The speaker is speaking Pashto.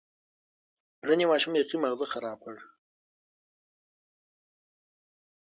نن یو ماشوم بېخي ماغزه خراب کړ.